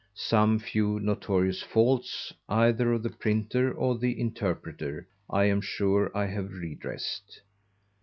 Some few notorious faults either of the Printer or the Interpreter, I am sure I have redressed.